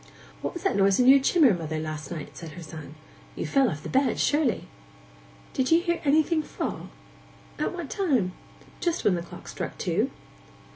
'What was that noise in your chimmer, mother, last night?' said her son. 'You fell off the bed, surely?' 'Did you hear anything fall? At what time?' 'Just when the clock struck two.